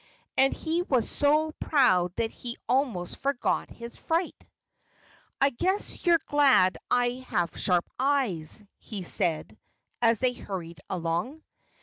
And he was so proud that he almost forgot his fright. "I guess you're glad I have sharp eyes," he said, as they hurried along.